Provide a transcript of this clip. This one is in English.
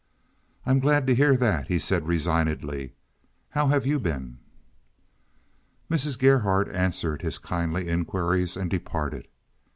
"I'm glad to hear that," he said resignedly. "How have you been?" Mrs. Gerhardt answered his kindly inquiries and departed.